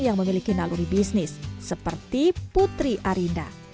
yang memiliki naluri bisnis seperti putri arinda